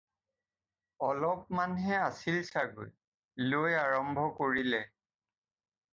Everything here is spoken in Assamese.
অলপ মানহে আছিল চাগৈ, লৈ আৰম্ভ কৰিলে।